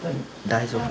大丈夫。